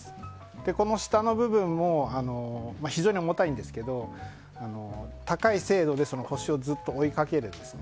この下の部分も非常に重たいんですが高い精度で星をずっと追いかけるんですね。